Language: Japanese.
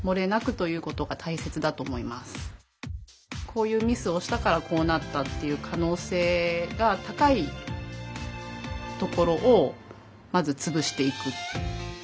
こういうミスをしたからこうなったっていう可能性が高いところをまず潰していく。